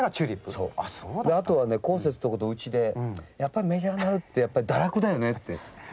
あとはね、こうせつのところとうちで、やっぱりメジャーになるってやっぱり堕落だよねって。